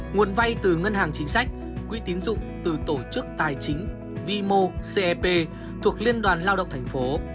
nguồn vay từ ngân hàng chính sách quỹ tín dụng từ tổ chức tài chính vimo cep thuộc liên đoàn lao động thành phố